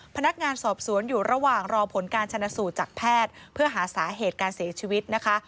พนักงานสอบสวนอยู่ระหว่างรอผลการชนะสูตรจากแพทย์เพื่อหาสาเหตุการเสียชีวิตนะคะ